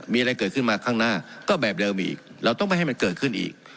มีอะไรเกิดขึ้นมาข้างหน้าก็แบบเดิมอีกเราต้องไม่ให้มันเกิดขึ้นอีก